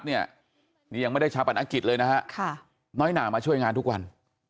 นี่ยังไม่ได้ชาปนกิจเลยนะฮะน้อยหนามาช่วยงานทุกวัน